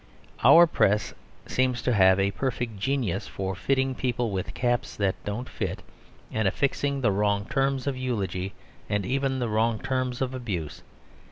Our press seems to have a perfect genius for fitting people with caps that don't fit; and affixing the wrong terms of eulogy and even the wrong terms of abuse.